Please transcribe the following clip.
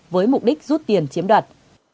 với mục đích rút tiền chiếm đoạt